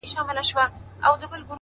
o زه د ساقي تر احترامه پوري پاته نه سوم.